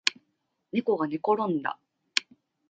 ねこがねころんだ